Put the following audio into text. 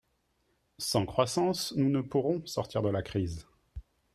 Sans croissance, nous ne pourrons sortir de la crise.